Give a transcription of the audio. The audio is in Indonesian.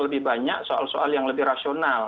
lebih banyak soal soal yang lebih rasional